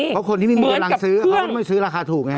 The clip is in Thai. เพราะคนที่มีมือล้างซื้อเขาก็มีราคาถูกไง